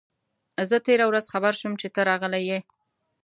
زه تېره ورځ خبر شوم چي ته راغلی یې.